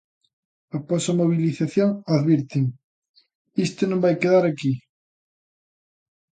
"Após a mobilización", advirten, "isto non vai quedar aquí".